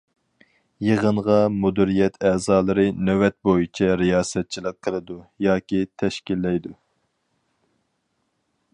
يېغىنغا مۇدىرىيەت ئەزالىرى نۆۋەت بويىچە رىياسەتچىلىك قىلىدۇ ياكى تەشكىللەيدۇ .